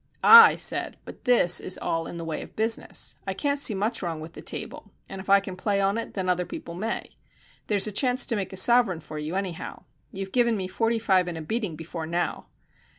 "Ah!" I said, "but this is all in the way of business. I can't see much wrong with the table, and if I can play on it, then other people may. There's a chance to make a sovereign for you anyhow. You've given me forty five and a beating before now."